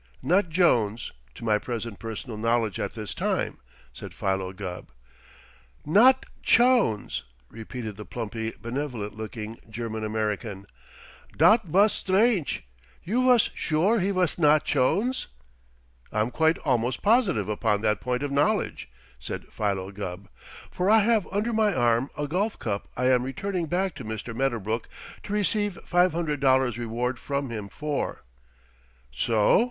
"Not Jones, to my present personal knowledge at this time," said Philo Gubb. "Not Chones!" repeated the plumply benevolent looking German American. "Dot vos stranche! You vos sure he vos not Chones?" "I'm quite almost positive upon that point of knowledge," said Philo Gubb, "for I have under my arm a golf cup I am returning back to Mr. Medderbrook to receive five hundred dollars reward from him for." "So?"